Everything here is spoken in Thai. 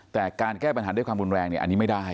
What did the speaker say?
แต่การแก้ปัญหาด้วยความรุนแรงเนี่ยอันนี้ไม่ได้